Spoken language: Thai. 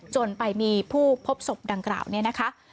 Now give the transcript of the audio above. จนไปมีผู้พบศพดังกล่าวเนี่ยนะคะ